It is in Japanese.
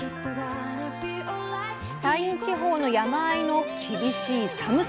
山陰地方の山あいの厳しい寒さ。